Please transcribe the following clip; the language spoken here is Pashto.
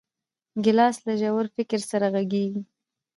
ګیلاس له ژور فکر سره غږېږي.